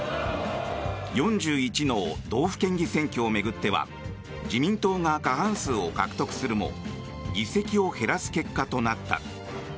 ４１の道府県議選挙を巡っては自民党が過半数を獲得するも議席を減らす結果となった。